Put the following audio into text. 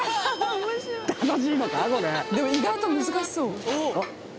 「でも意外と難しそう」